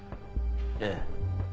ええ。